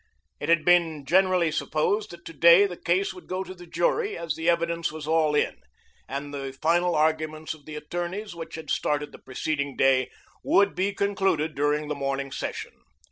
It had been generally supposed that to day the case would go to the jury as the evidence was all in, and the final arguments of the attorneys, which had started the preceding day, would be concluded during the morning session.